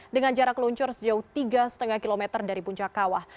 dengan jarak luncur sejauh tiga lima km dari puncak kawah